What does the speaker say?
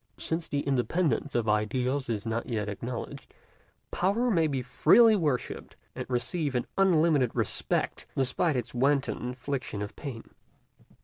Since the independence of ideals is not yet acknowledged, Power may be freely worshiped, and receive an unlimited respect, despite its wanton infliction of pain.